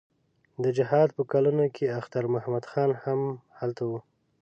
د جهاد په کلونو کې اختر محمد خان هم هلته و.